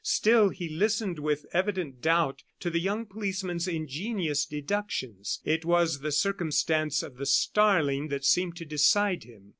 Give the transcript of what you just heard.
Still he listened with evident doubt to the young policeman's ingenious deductions; it was the circumstance of the starling that seemed to decide him.